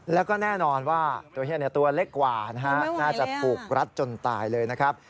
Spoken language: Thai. แล้วก็แน่นอนว่าตัวเฮียตัวเล็กกว่านะฮะน่าจะถูกรัดจนตายเลยนะครับ